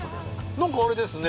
何かアレですね。